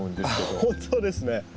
あっ本当ですね。